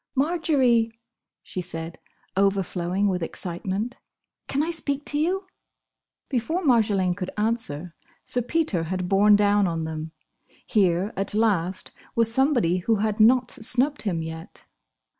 "Marjory," she said, overflowing with excitement, "can I speak to you?" Before Marjolaine could answer, Sir Peter had borne down on them. Here, at last, was somebody who had not snubbed him yet.